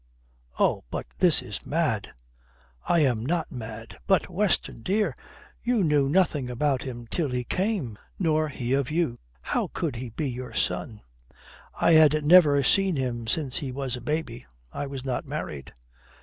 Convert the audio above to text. Oh, but this is mad!" "I am not mad." "But, Weston, dear, you knew nothing about him till he came; nor he of you. How could he be your son?" "I had never seen him since he was a baby. I was not married."